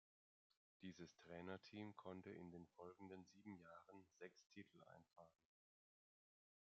Dieses Trainerteam konnte in den folgenden sieben Jahren sechs Titel einfahren.